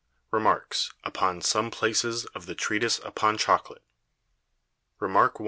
REMARKS Upon some PLACES of the TREATISE upon Chocolate. REMARK I.